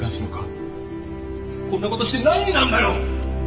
こんなことして何になんだよ！